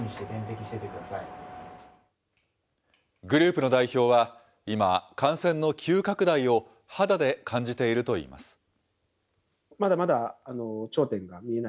グループの代表は今、感染の急拡大を肌で感じているといいます。